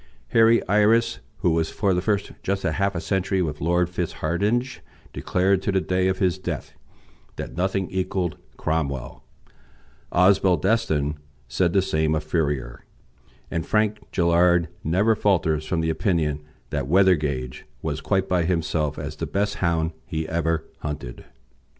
Harry Ayris, who was for just half a century with Lord FitzHardinge, declared to the day of his death that nothing had equalled Cromwell; Osbaldeston said the same of Furrier, and Frank Gillard never falters from the opinion that Weathergage was quite by himself as the best hound he ever hunted.